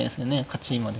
勝ちまで。